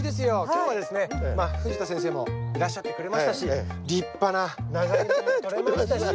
今日はですね藤田先生もいらっしゃってくれましたし立派なナガイモもとれましたし。